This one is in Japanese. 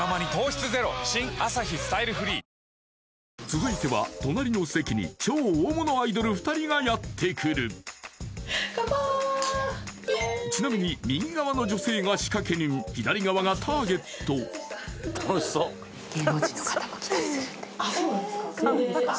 続いては隣の席に超大物アイドル２人がやってくるかんぱーいイエーイちなみに右側の女性が仕掛人左側がターゲットあっそうなんですか？